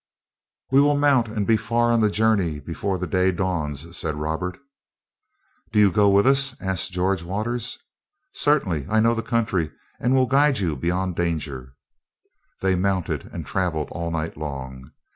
"We will mount and be far on the journey before the day dawns," said Robert. "Do you go with us?" asked George Waters. "Certainly. I know the country and will guide you beyond danger." They mounted and travelled all night long.